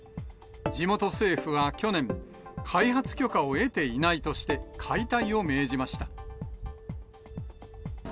地元政府は去年、開発許可を得ていないとして、解体を命じました。